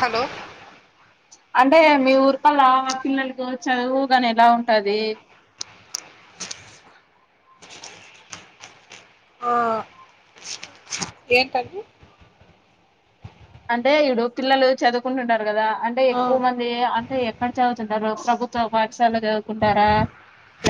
Hello అంటే మీ ఊరికల్లా పిల్లలకు చదువుగాని ఎలా ఉంటది ఆ ఏంటండి అంటే ఇడు పిల్లలు చదువుకుంటుండారు కదా అంటే ఆ ఎక్కువ మంది అంటే ఎక్కడ చేయవచ్చు వాళ్ళు ప్రభుత్వ పాఠశాల్లో చదువుకుంటారా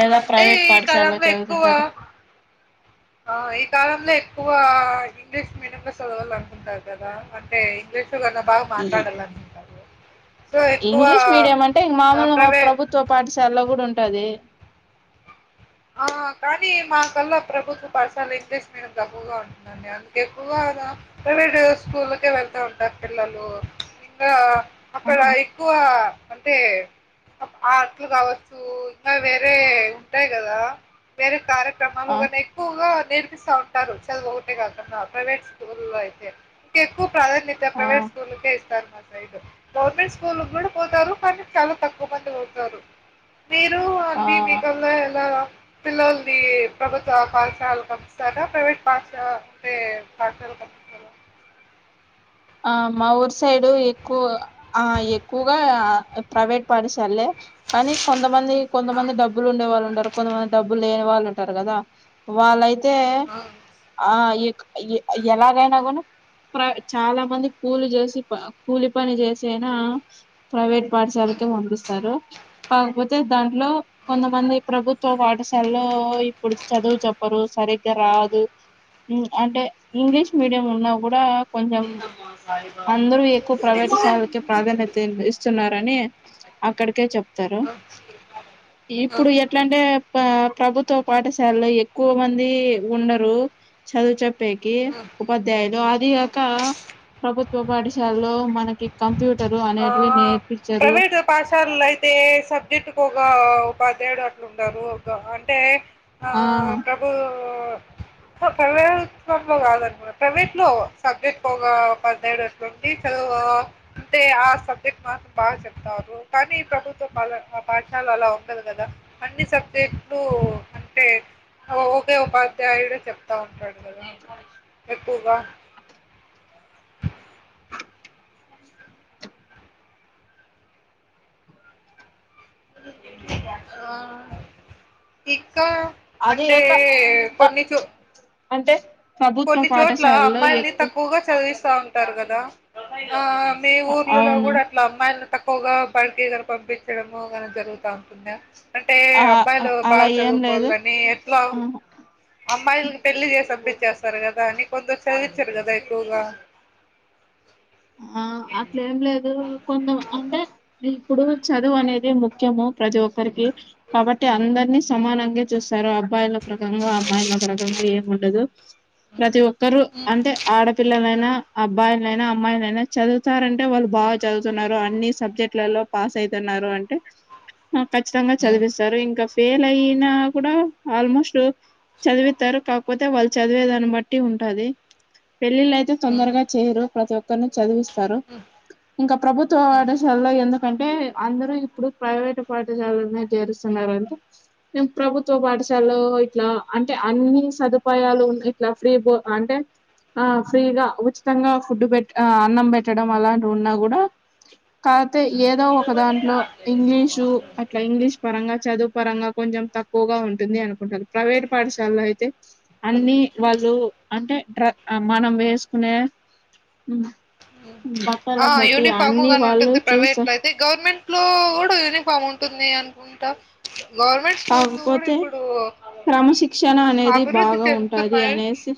లేదా అంటే ప్రైవేట్ ఈ పాఠశాలలో కాలంలో ఎక్కువ చదువుతుంటారు కాలంలో ఎక్కువ ఇంగ్లీష్ మీడియంలో చదవాల్ల అనుకుంటారు కదా అంటే ఇంగ్లీష్ డ్ కదా బాగా ఈ మాట్లాడాల అనుకుంటాము ఇంగ్లీష్ మీడియం అంటే మామూలుగా ప్రైవే ప్రభుత్వ పాఠశాల్లో కూడా ఉన్ అదే ఆ కానీ మాకల్లా ప్రభుత్వ పాఠశాల ఇంగ్లీష్ మీడియం తక్కువగా ఉంటుందండి, అందుకే ఎక్కువగా రా ప్రైవేటు స్కూళ్ళకే వెళ్తా ఉంటారు పిల్లలు ఇంగా అక్కడ ఆహా ఎక్కువ అంటే ఆ ట్లు కావచ్చు ఇంకా వే ఏంత గదా మేమె కారం ఆ ప్రమాంగనే క్కువ నేర్పిస్తా ఉంటారు చదువు ఒకటే కాకుండా ప్రైవేట్ స్కూల్ లో అయితే ప్రాధాన్యత ఆ ప్రైవేట్ స్కూల్ల కే ఇస్తారు మరి గవర్నమెంట్ స్కూల్ కూడా పోతారు కానీ చాలా తక్కువ మంది పోతారు మీరు అండి ఆ మీకల్లా ఆ పిల్లల్ని ప్రభుత్వ పాఠశాలకు అంపిస్తారా, ప్రైవేట్ పాఠశా అంటే పాఠశాలకే అంపిస్తారా ఆ మా ఊరు సైడు ఎక్కువ ఆ ఎక్కువగా ప్రైవేట్ పాఠశాల్లే కానీ కొంతమంది ఆ కొంతమంది డబ్బులు ఉండేవాళ్ళు ఉంటారు కొంతమంది డబ్బులు లేని వాళ్ళు అంటారు కదా వాళ్ళైతే తే ఆ ఆ ఎక్ అ ఎ ఎలాగైనా గున ప్రాజ్ చాలా మంది కూలి చేసి ప కూలి పని చేసైనా, ప్రైవేట్ పాఠశాలకే పంపిస్తరు. కాకపోతే దాంట్లో కొంతమంది ప్రభుత్వ పాఠశాలలో ఇప్పుడు చదువు చెప్పరు సరిగ్గా రాదు మ్ అంటే ఇంగ్లీష్ మీడియం ఉన్నా కూడా కొంజమ్ అందరూ ఎక్కువ ప్రైవేట్ శాలకె ప్రాధాన్యతన ఇస్తు స్తున్నారు అని అక్కడికే చెప్తారు. ఆ ఆ ఇప్పుడు ఎట్లా అంటే ప ప్రభుత్వ పాఠశాలలో ఎక్కువ మంది ఉండరు. చదువు చెప్పేకి ఆ ఉపాధ్యాయులు అది ఆ కా ప్రభుత్వ పాఠశాలలో మనకి కంప్యూటర్ ఆ! అనేటివి నేర్ ప్రైవేట్ పాటషాలో అయితే సబ్జెక్ట్ కు ఒక పద్దేడు అట్లుంటారు ఒక అంటే ఆ ప్రబూ ప్రైవేంలో కాదనమాట ప్రైవేట్ లో సబ్జెక్ట్ ఒక పదిహేడు రట్లు ఉంది చదువు అంటే ఆ సబ్జెక్ట్ మాత్రం బాగా చెప్తారు కానీ ప్రభుత్వం ప ల ఆ పాఠాల అలా ఉండదు కదా అన్ని సబ్జెక్ట్ ఒకే ఒకపాధ్యాయుడ చెప్తా ఉంటాడు కదా ఎక్కువగా ఆ ఇంకా అదే అంటే కాక కొన్ని చో అంటే ప్రభుత్వ కొన్ని చోట్ల పాఠశాలలో అమ్మాయిల్ని ఎక్కువ తక్కువగా చదివిస్తా ఉంటారు కదా అఆ మీ ఊర్లలలో అవును కూడా అట్ల అమ్మాయిలని తక్ పొగా బటిలకు పంపించడము గానీ జరుగుతా ఉంటుందా అంటే ఆ అబ్బాయిలు అలా బాగా ఏం లేదు చదువుకోవాలని ఎట్లా అమ్మాయిలకి పెళ్లి చేసి అంపించేస్త సరెకదా అని కొందరు సదివిచ్చారు కదా ఎక్కువుగా ఆ అట్లే ఏం లేదు కొందం అంటే న ఇప్పుడు చదువు అనేది ముఖ్యము ప్రతి ఒక్క రికి కాబట్టి అందరినీ సమానంగా చూస్తారు అబ్బాయిలు ఒక రకంగా అమ్మాయిలు ఒక రకంగా ఏమి ఉండదు. ప్రతి ఒక్కరు ఉ ఉ ఉ అంటే ఆడపిల్లలైనా అబ్బాయి నైనా అమ్మాయిలైనా చదువుతారంటే వాళ్ళు బాగా చదువుతున్నారు అన్ని సబ్జెక్ట్లలో పాస్ అయితున్నారు అంటే ఖచ్చితంగా చదివిస్తారు ఇంకా వేలయినా కూడా ఆల్మోస్ట్ చదివితారు కాకపోతే వాళ్ళు చదివేదాన్ని బట్టి ఉంటాది. పెళ్ళిళ్ళ అయితే ఉ తొందరగా చేయరు ప్రతి ఒక్క తను చదివిస్త తారు ఉ ఇంకా ప్రభుత్వ ఉ పాఠశాలల్లో ఎందు ఎ అంటే అందరూ ఇప్పుడు ప్రైవేటు పాఠశాలనే చేరుస్తున్నారు, అంటే ప్రభుత్వ పాఠశాలో ఇట్లా అంటే అన్ని సదుపాయాలు ఉండి ఇట్లా ఫ్రీ బో అంటే ఆ ఫ్రీగా ఉచితంగా ఫుడ్ పెట్ ఆ అన్నం పెట్టడం అలాంటి ఉన్నా కూడా కా తే ఉ ఏదో ఒక దాంట్లో ఇంగ్లీషు అట్లా ఇంగ్లీష్ పరంగా చదువు పరంగా కొంచెం తక్కువగా ఉంటుంది అనుకుంటారు ప్రైవేట్ పాఠశాలలో అయితే అన్ని వాళ్ళు అంటే డ్ర మనం వేసుకునే మ్ ఆ యూనిఫాము గానుటుంది చూస ప్రైవేట్ల అయితే, గౌర్మెంట్లో గూడ యూనిఫామ్ ఉంటుంది అనుకుంటా. గవర్నమెంట్ స్కూల్లు గూడా కాకపోతే ఇప్పుడు క్రమశిక్షణ అనేది అభివృద్ధి బాగా ఉంటది చెందుతున్నాయి. అనేసి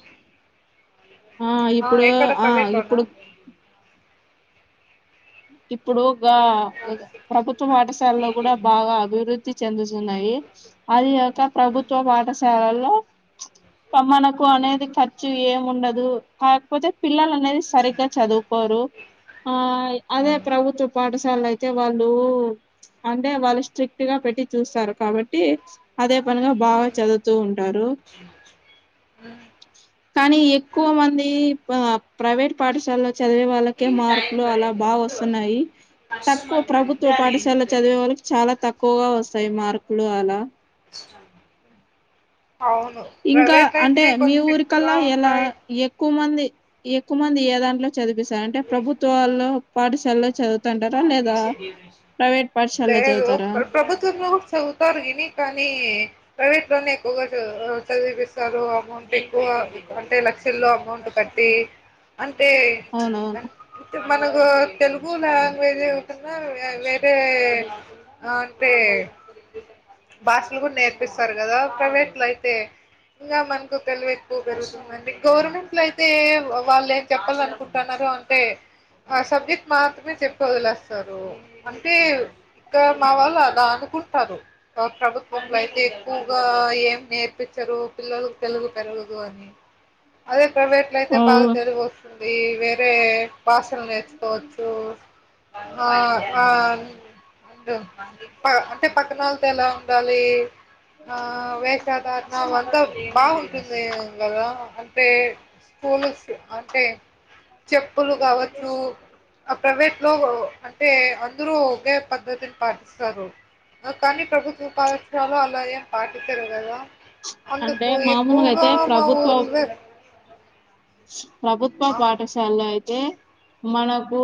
ఆ ఇప్పుడు ఎక్కడ ఆ ప్రైవేట్‌లోనా? ఇప్పుడు ఇప్పుడు గా ప్రభుత్వ పాఠశాల్లో గుడా బాగా అభివృద్ధి చందు న్నాయి అది కాక హ్మ్. ప్రభుత్వ పాఠశాలలు అ ప మనకు హ్మ్. అనేది ఖర్చు ఏము ఉండదు కాకపోతే పిల్లలు అనేది సరిగ్గా చదువుకోరు, ఆ అదే హ్మ్. ప్రభుత్వ పాఠ సలు అయితే వాళ్ళు అంటే వాళ్ళు స్ట్రిక్ట్ గా పెట్టి చూస్తారు కాబట్టి అదే పనిగా బాగా చదువుతూ ఉంట టారు హ్మ్. కానీ ఎక్కువ మంది ప్రైవేట్ పాఠశాలలో చదివే వాళ్ళకి కే మార్కులు వస్తున్నాయి తక్కువ ప్రభుత్వ పాఠశాల చదివే వాళ్ళకి చాలా తక్కువగా వస్తాయి మార్కులు అలా అవును. ఇంకా ప్రైవేట్‌లో అంటే అయితే మీ కొన్ని స్ట్రిక్ట్‌గా ఊరికల్లా ఇలా ఉంటాయి. ఎక్కువ మంది ఎక్కువ మంది ఏ దాంట్లో చదిపిస్తారు అంటే ప్రభుత్వాల్లో పాఠశాలలో చదువుతంటారా లేదా ప్రైవేట్ పాఠశాలలో లేదు చదువుతారా ప్రభుత్వంలో చదువుతారు విని కానీ ప్రైవేట్ లోనే ఎక్కువగా చదివిపిస్తారు అమౌంట్ ఎక్కువ అంటే లక్షల్లో అమౌంట్ కట్టి అ ఏ అవునవును ఇప్పుడు మనకు తెలుగు లాంగ్వేజి ఉంటుందా వేరే అంటే భాషలు గుడ నేర్పిస్తరు గదా ప్రైవేట్ల అయితే, ఇంగా మనకు తెలివి ఎక్కువ పెరుగుతుందండి. గౌర్మెంట్ల ఐతే వాళ్ళు ఏం చెప్పాలనుకుంటున్నారో అంతే, ఆ సబ్జెక్ మాత్రమే చెప్పి ఒదిలేస్తరు, అంటే ఇంక మా వాళ్ళ దాకకుం ప్రభుత్వంలో అయితే ఎక్కువగా ఏం నేర్పించరు పిల్లలలకు తెలుగు పెరగదు అని అదే ప్రైవేట్ లో అయితే అవు బాగా తెలుగొస్తుంది ఈ వేరే భాషలు నేర్పి ఒచ్చు ఆ ఆ అంటే పక్కనోలు ఎలా ఉండాలి ఆ వేషాధారణ అంతా బాగుంటుంది కల అంటే స్కూల్ అంటే చెప్పులు కావచ్చు ఆ ప్రైవేట్ లో అంటే అందరూ ఒకే పద్ధతిని పాటిస్తారు కానీ ప్రభుత్వ ఉపాదక్షలు అలాయ పాటి తర్గాదా అంటే అంతపు మామూలుగా అయితే పూగామవ ప్రభుత్వ ప్రభుత్వ పాఠశాలై అంటే మనకు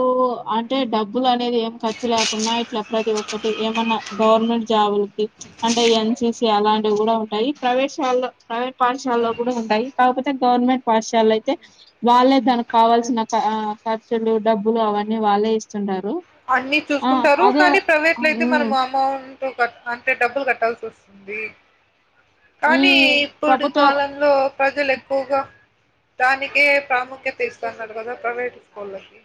అంటే డబ్బు బబ్లు అనేది ఏం ఖర్చు లేకున్నా ఇట్లా ప్రతి ఒక్కటి ఏమన్నా గవర్నమెంట్ జాబులకి అంటే ఎన్సిసి అలాంటివి కూడా ఉంటాయి ప్రవేశాల్లో ప్రైవేట్ పాఠశాలలో ఉమ్ కూడా ఉంటాయి కాక పో అంటే గవర్నమెంట్ పాఠశాలయి అయితే వాళ్ళే తనకు కావాల్సిన అ ఖర్చులు డబ్బులు అవన్నీ వాళ్ళే ఇస్తుంటారు అయితే అన్ని చూసుకుంటారు కానీ ప్రైవేట్ లో అయితే మనం అమౌంట్ క అంటే డబ్బులు కట్టాల్సి వస్తుంది ఈ కానీ ఇప్పుడు ప్రభుత్వ కాలంలో ప్రజలు ఎక్కువగా దానికి ప్రాముఖ్యత ఇస్తున్నారు కదా ప్రైవేట్ స్కూళకి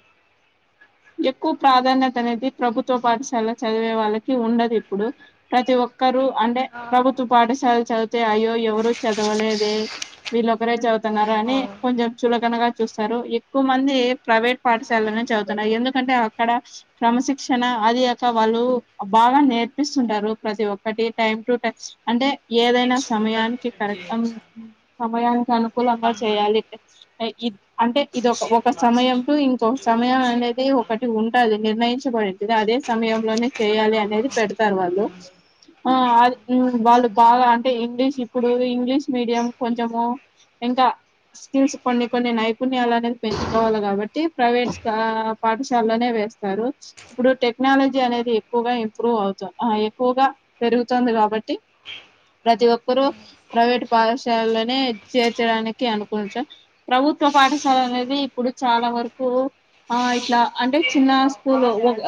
ఎక్కువ ప్రాధాన్యత అనేది ప్రభుత్వ పాఠశాల చదివే వాళ్ళకి ఉండదు ఇప్పుడు ప్రతి ఒక్క ఒకరు అంటే ఆ! ప్రభుత్వ పాఠశాల చదివితే అయ్యో ఎవరు చదవలేదే వీళ్ళొ ఒకరే ఆ! చదువుతున్నారాని కొంచెం చులకనగా చూస్తారు ఎక్కువ మంది ప్రైవేట్ ఆ! పాఠశాలలోనే చదువు ఎందుకంటే అక్కడ క్రమశిక్షణ అది ఒక వాళ్ళు బాగా నేర్పిస్తుంటారు ప్రతి ఒక్కటి టైమ్ టు టైం అంటే ఏదైనా సమయానికి కరెక్ట్ం సమయానికి అనుకూలంగా చేయాలి ఇ అంటే ఇది ఒక ఒక సమయం టు ఇంకొక సమయం ఏ ఒకటి ఉంటాది నిర్ణయించ బడె అదే సమయంలోనే చేయాలి ఆ! అనేది పెడతారు వాళ్ళు ఆ అది వాళ్ళు బాగా అంటే ఇంగ్లీష్ ఇప్పుడు ఇంగ్లీష్ మీడియం కొంచము ఇంకా స్కిల్స్ కొన్ని కొన్ని నైపుణ్యాల అనేది పెంచుకోవాలి కాబట్టి ప్రైవేట్స్ కా పాఠశాలనే వేస్తారు ఇప్పుడు టెక్నాలజీ అనేది ఎక్కువగా ఇంప్రూవ్ అవుతా ఎక్కువగా పెరుగుతుంది కాబట్టి ప్రతి ఒక్కరు ప్రైవేట్ పాఠశాలలోనే చేర్చడానికి అనుకుంటం ప్రభుత్వ పాఠశాల అనేది ఇప్పుడు చాలా వరకు ఆ ఇట్లా అంటే చిన్న స్కూల్ ఒక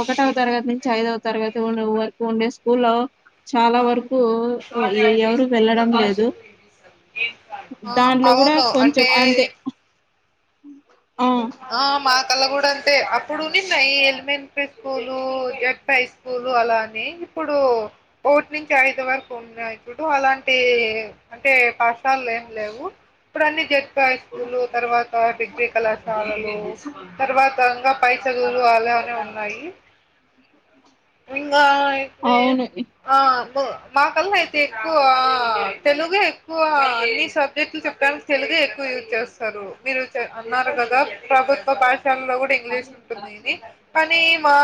ఒకటవ తరగతి నుంచి ఐదవ తరగతి వరకు ఉండే కొన్ని స్కూల్లో చాలా వరకు ఎవరు వెళ్ళడం లేదు ఆ! దానిలో కూడా అవును. అంటే కొంచెం అంతే హ ఆ మా కల్లా కూడా అంతే అప్పుడన్నా సైన్ పిట్ స్కూలు జడ్పి హై స్కూలు అలాని ఇప్పుడు కోఓట్ నుంచి ఐదు వరకు ఉన్న ఇప్పుడు అలాంటి అంటే పాఠాలు ఏం లేవు ఇప్పుడు అన్ని జడ్ హై స్కూల్ తర్వాత డిగ్రీ కలాస్ తర్వాత ఇంకా పైసగులు అలానే ఉన్నాయి ఇంకా అయితే అవును ఆ మాకల్లా అయితే ఎక్కువ తెలుగు ఎక్కువ అన్ని సబ్జెక్ట్లు చెప్పడానికి తెలుగ ఎక్కువ యూజ్ చేస్తారు మీరు అన్నారు కదా ప్రభు ప్రభుత్వ పాఠ లో కూడా ఇంగ్లీష్ ఉంటుంది ఇది కానీ మా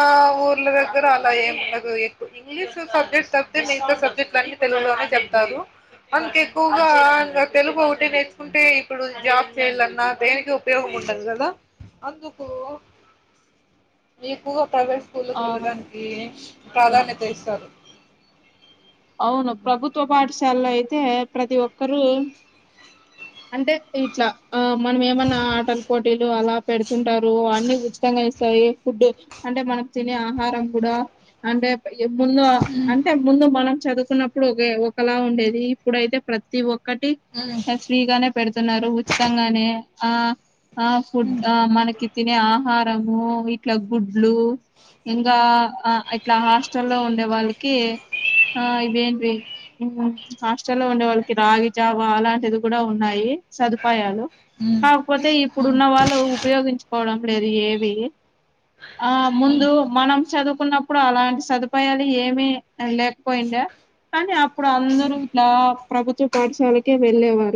ఊర్ల దగ్గర అలా ఏముండదు ఎక్కు ఇంగ్లీష్ సబ్జెక్ట్ తప్పితే మిగతా సబ్జెక్ట్లన్న తెలుగులోనే చెప్తారు మనకు ఎక్కువగా ఇంకా తెలుగు ఒకటి నేర్చుకుంటే ఇప్పుడు జాబ్ చేయాలన్నా దేనికి ఉపయోగం ఉ ఉంటది కదా అందుకు మీకు తావే స్కూల్కి ఆ వెళ్ళడానికి ప్రాధాన్యత ఇస్తారు అవును ప్రభుత్వ పాఠశాల అయితే ప్రతి ఒక్కరు అంటే ఇట్లా ఆ మనం ఏమన్నా ఆటల పోటీలు అలా పెడుతుంటారు అన్ని ఉచితంగా ఇస్తాయి ఫుడ్ అంటే మనం తినే ఆహారం కూడా అంటే ఏముందో అంటే ముందు మనం చదువుకున్నప్పుడు ఒకే ఒకలా ఉండేది ఇప్పుడుయితే ప్రతి ఒక్క ఒకటి నెస్ట్ బాగానే పెడుతున్నారు ఉచితంగానే ఆ ఆ ఫుడ్ ఆ మనకి తినే ఆహా ఆహారము ఇట్లా గుడ్లు ఇంకా ఇట్లా హాస్టల్లో ఉండే వాళ్ళకి ఆ ఇవేంటివి హాస్టల్ లో ఉండే వాళ్ళకి రాగి జావా అలాంటిది కూడా ఉన్నాయి సదుపాయాలు కాకపోతే ఇప్పుడున్న వాళ్ళు ఉపయోగించుకోవడం లేదు ఏవి ఆ ముందు మనం చదువుకున్నప్పుడు అలాంటి సదుపాయాలు ఏమి లేకపోయిండ కానీ అప్పుడు అందరూ ఇలా ప్రభుత్వ పాఠశాలకే వెళ్ళేవల్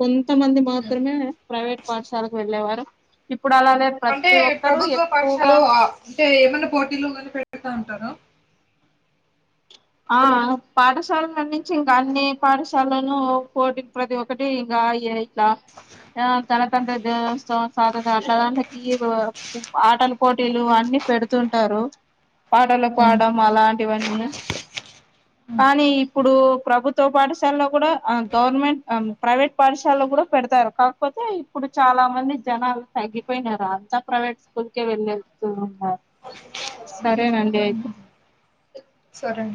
కొంత మంది మాత్రమే ప్రైవేట్ పాఠశాలకు వెళ్ళేవారు ఇప్పు అంటే ప్రభుత్వ పక్షాలు ఆ అంటే ఏమైన్నా పోటీలో కానీ పెడుతా ఉంటార ఆ పాఠశాలల నుంచి ఇంకా అన్ని పాఠశాలలను పోటీ ప్రతి ఒక్కటి ఇంకా ఇట్లా గణతంత్ర దినోత్సవం సాధన అట్లదానికి ఆటల పోటీలు అన్ని పెడుతుంటారు పాటలు పాడం అలాంటివన్నీ కానీ ఇప్పుడు ప్రభుత్వ పాఠశాలలో కూడా గవర్నమెంట్ ప్రైవేట్ పాఠశాలలో కూడా పెడతారు కాకపోతే ఇప్పుడు చాలా మంది జనాలు తగ్గిపోయినారు అంతా ప్రైవేట్ స్కూల్కే వెళ్ళస్తూ ఉన్నారు సరేనండి అయితే సరేండి